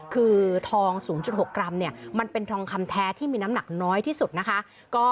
คือทอง๐๖กรัมเนี่ยมันเป็นทองคำแท้ที่มีน้ำหนักน้อยที่สุดนะคะ